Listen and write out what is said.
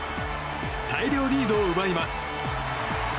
大量リードを奪います。